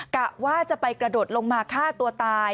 กะว่าจะไปกระโดดลงมาฆ่าตัวตาย